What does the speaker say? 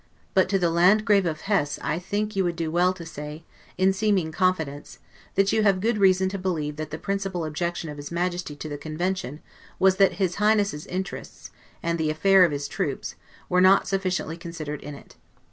But to the Landgrave of Hesse I think you would do well to say, in seeming confidence, that you have good reason to believe that the principal objection of his Majesty to the convention was that his Highness's interests, and the affair of his troops, were not sufficiently considered in it.